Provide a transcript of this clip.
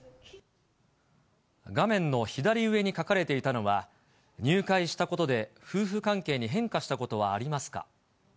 画面の左上に書かれていたのは、入会したことで夫婦関係に変化したことはありますか？